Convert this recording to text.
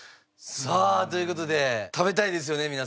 さあという事で食べたいですよね